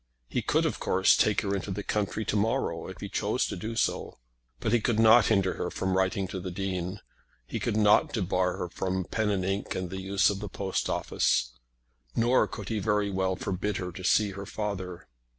He could, of course, take her into the country to morrow, if he chose to do so; but he could not hinder her from writing to the Dean; he could not debar her from pen and ink and the use of the post office; nor could he very well forbid her to see her father.